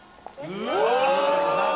うわ！